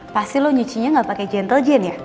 pasti lo nyucinya nggak pakai gentle gen ya